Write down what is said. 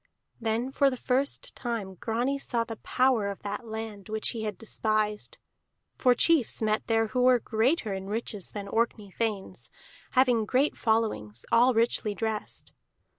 Then for the first time Grani saw the power of that land which he had despised, for chiefs met there who were greater in riches than Orkney thanes, having great followings, all richly dressed.